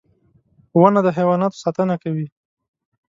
• ونه د حیواناتو ساتنه کوي.